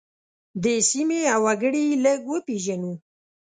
دې سیمې او وګړي یې لږ وپیژنو.